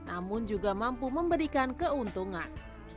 namun juga mampu memberikan keuntungan